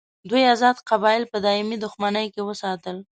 دوی آزاد قبایل په دایمي دښمني کې وساتل.